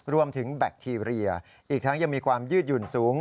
แบคทีเรียอีกทั้งยังมีความยืดหยุ่นสูง